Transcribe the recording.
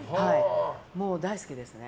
もう、大好きですね。